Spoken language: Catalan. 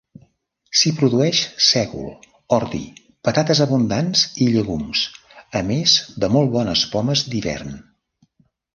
S'hi produeix sègol, ordi, patates abundants i llegums, a més de molt bones pomes d'hivern.